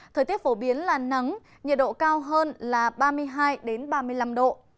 thời tiết phổ biến là nắng nhiệt độ cao hơn là ba mươi hai ba mươi năm độ